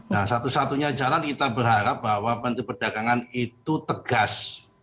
nah satu satunya jalan kita berharap bahwa menteri perdagangan itu tegas